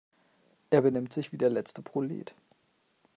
Er benimmt sich wie der letzte Prolet.